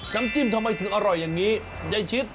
น้ำจิ้มทำไมถึงอร่อยอย่างนี้ยายชิด